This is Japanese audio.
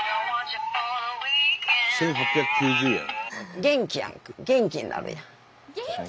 １，８９０円！